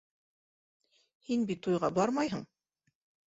Һин бит туйға бармайһың.